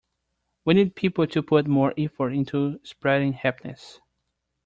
We need people to put more effort into spreading happiness.